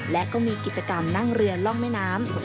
และก็มีกิจกรรมนั่งเรือล่องแม่น้ำ